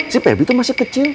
si pebi itu masih kecil